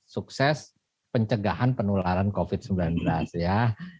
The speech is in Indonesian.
sukses pencegahan penularan covid sembilan belas ya